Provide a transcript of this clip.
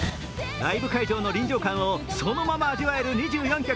ライブ会場の臨場感をそのまま味わえる２４曲。